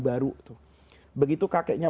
baru begitu kakeknya